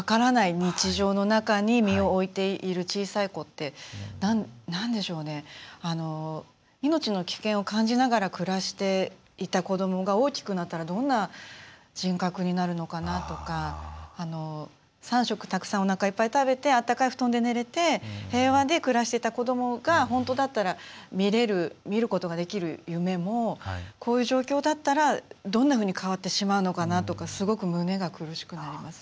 日常の中に身を置いている小さい子って命の危険を感じながら暮らしていた子どもが大きくなったらどんな人格になるのかなとか３食たくさんおなかいっぱい食べてあったかい布団で寝れて平和で暮らしていた子どもが本当だったら見ることができる夢もこういう状況だったらどんなふうに変わってしまうのかなとかすごく胸が苦しくなりました。